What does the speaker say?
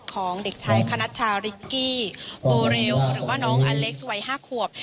ของเด็กชายคณัชชาริกกี้โบเรลหรือว่าน้องอเล็กซ์วัย๕ขวบ